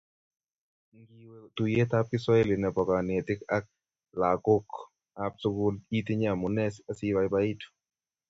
Ngiwe tuiyetab kiswahili nebo konetik ak lagokab sukul itinye amune asibabaitu